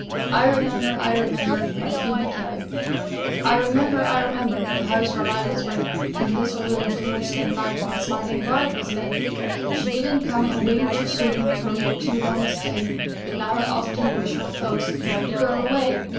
I REMEMBER, I REMEMBER BY PHOEBE CARY I remember, I remember, The house where I was wed, And the little room from which that night, My smiling bride was led. She didn't come a wink too soon, Nor make too long a stay; But now I often wish her folks Had kept the girl away!